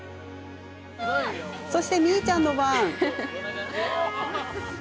そして、みーちゃんの番。